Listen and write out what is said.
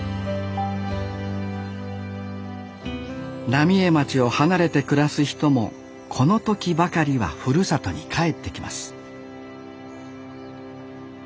浪江町を離れて暮らす人もこの時ばかりはふるさとに帰ってきます